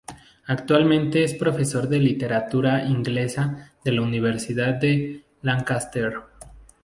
Actualmente es profesor de Literatura Inglesa de la Universidad de Lancaster.